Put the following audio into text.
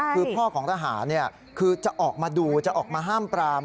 คือพ่อของทหารคือจะออกมาดูจะออกมาห้ามปราม